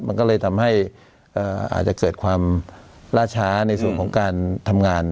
มันก็เลยทำให้อาจจะเกิดความล่าช้าในส่วนของการทำงาน